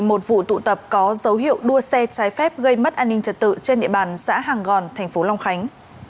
một vụ tụ tập có dấu hiệu đua xe trái phép gây mất an ninh trật tự trên địa bàn xã hàng gòn thành phố long khánh